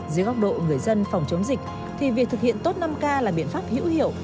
dưới góc độ người dân phòng chống dịch thì việc thực hiện tốt năm k là biện pháp hữu hiệu